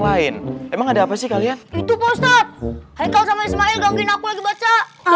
lain emang ada apa sih kalian itu postat hai kau sama ismail gangguin aku lagi baca